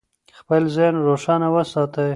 خپل ذهن روښانه وساتئ.